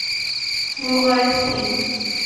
وہ غائب تھی۔